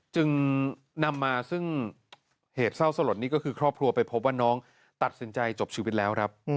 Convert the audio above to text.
จึงนำมาซึ่งเหตุเศร้าสลดนี้ก็คือครอบครัวไปพบว่าน้องตัดสินใจจบชีวิตแล้วครับ